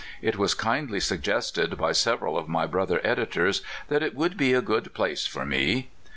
It was kindly suggested by several of my brother editors that it would be a good place for me.